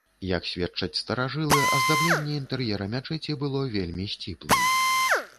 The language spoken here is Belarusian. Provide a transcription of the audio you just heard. Як сведчаць старажылы, аздабленне інтэр'ера мячэці было вельмі сціплым.